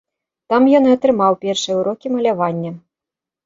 Там ён і атрымаў першыя ўрокі малявання.